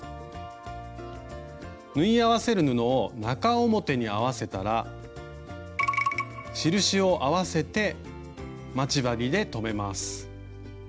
縫い合わせる布を中表に合わせたら印を合わせて待ち針で留めます。